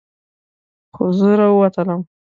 خو زه راووتلم.